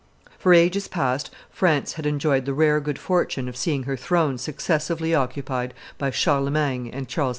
For ages past, France had enjoyed the rare good fortune of seeing her throne successively occupied by Charlemagne and Charles V.